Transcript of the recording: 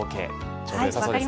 ちょうどよさそうですね。